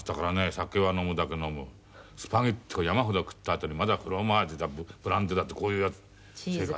酒は飲むだけ飲むスパゲティ山ほど食ったあとにまだフロマージュだブランデーだってこういうやつ生活。